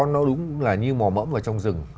nó đúng là như mò mẫm vào trong rừng